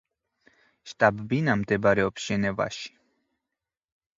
შტაბ-ბინა მდებარეობს ჟენევაში.